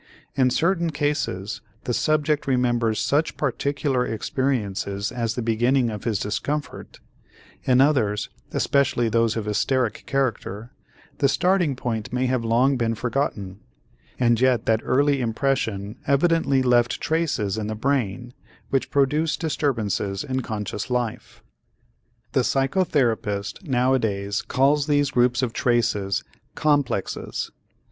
In certain cases, the subject remembers such particular experiences as the beginning of his discomfort; in others, especially those of hysteric character, the starting point may have long been forgotten, and yet that early impression evidently left traces in the brain which produce disturbances in conscious life. The psychotherapist nowadays calls these groups of traces "complexes."